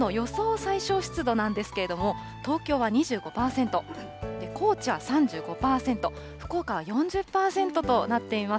最小湿度なんですけれども、東京は２５％、高知は３５％、福岡は４０％となっています。